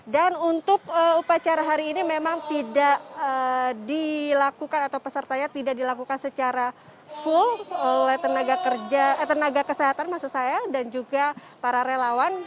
dan untuk upacara hari ini memang tidak dilakukan atau pesertanya tidak dilakukan secara full oleh tenaga kesehatan dan juga para relawan